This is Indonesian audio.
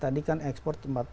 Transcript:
tadi kan ekspor empat puluh satu